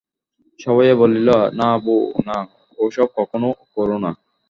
সভয়ে বলিল, না বৌ না, ওসব কখনো কোরো না!